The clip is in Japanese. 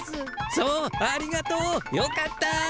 そうありがとう！よかった！